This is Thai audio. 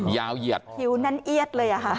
ยาวเหยียดหิวนั้นเอียดเลยอ่ะค่ะ